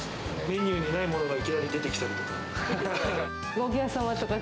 メニューにないものがいきなり出てきたりとか。